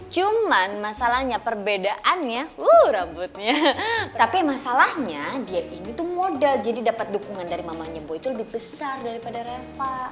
cuman masalahnya perbedaannya wuh rambutnya tapi masalahnya dia ini tuh model jadi dapet dukungan dari mamanya boy tuh lebih besar daripada reva